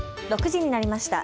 ６時になりました。